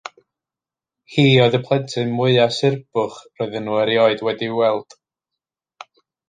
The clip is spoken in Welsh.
Hi oedd y plentyn mwyaf surbwch roedden nhw erioed wedi'i weld.